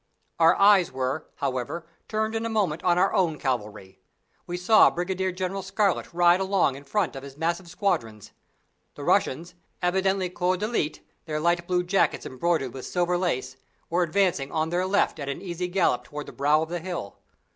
Our eyes were, however, turned in a moment on our own cavalry. We saw Brigadier General Scarlett ride along in front of his massive squadrons. The Russians, evidently corps d'élite, their light blue jackets embroidered with silver lace, were advancing on their left at an easy gallop towards the brow of the hill.